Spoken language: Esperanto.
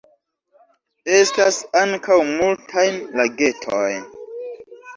Estas ankaŭ multajn lagetoj.